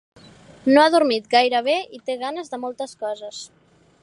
No ha dormit gaire bé i té ganes de moltes coses.